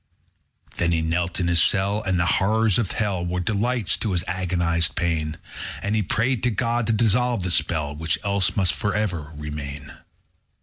7. Then he knelt in his cell: And the horrors of hell Were delights to his agonized pain, And he prayed to God to dissolve the spell, _40 Which else must for ever remain.